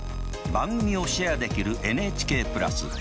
番組をシェアできるＮＨＫプラス。